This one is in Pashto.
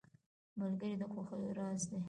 ملګری د خوښیو راز دی.